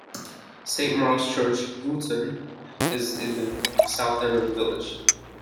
Saint Mark's Church, Wootton is in the south end of the village.